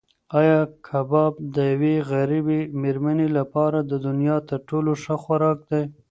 ایا کباب د یوې غریبې مېرمنې لپاره د دنیا تر ټولو ښه خوراک دی؟